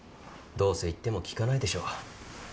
どうせ言っても聞かないでしょう。